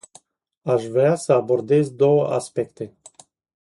Aș vrea să abordez două aspecte.